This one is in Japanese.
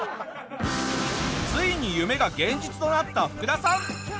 ついに夢が現実となったフクダさん。